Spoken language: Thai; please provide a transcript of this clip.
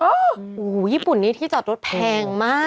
โอ้โหญี่ปุ่นนี้ที่จอดรถแพงมาก